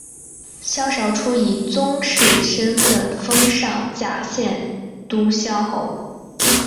萧韶初以宗室身份封上甲县都乡侯。